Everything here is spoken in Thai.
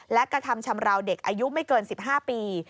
และกระทำชำราวเด็กอายุไม่เกิน๑๕ปี